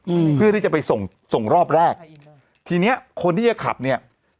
อืมเพื่อที่จะไปส่งส่งรอบแรกทีเนี้ยคนที่จะขับเนี้ย